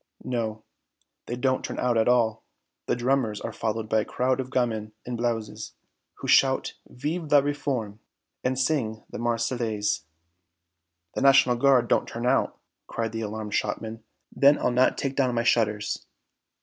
"No. They don't turn out at all. The drummers are followed by a crowd of gamins in blouses, who shout Vive la Réforme and sing the Marseillaise." "The National Guard don't turn out!" cried the alarmed shopman; "then I'll not take down my shutters!"